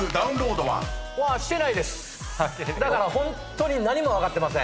だからホントに何も分かってません。